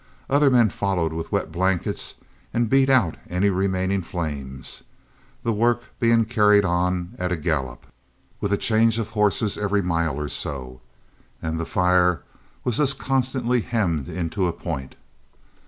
Other men followed with wet blankets and beat out any remaining flames, the work being carried on at a gallop, with a change of horses every mile or so, and the fire was thus constantly hemmed in to a point.